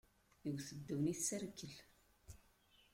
Iwwet ddunit, s rrkel.